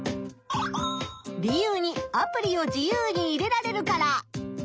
理由に「アプリを自由にいれられるから」。